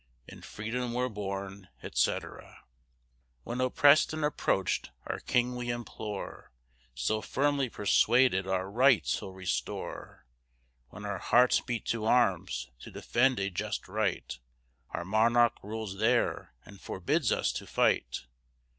In Freedom we're born, etc. When oppress'd and approach'd, our KING we implore, Still firmly persuaded our RIGHTS he'll restore; When our hearts beat to arms to defend a just right, Our monarch rules there, and forbids us to fight.